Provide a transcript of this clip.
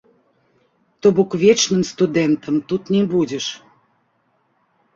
То бок вечным студэнтам тут не будзеш.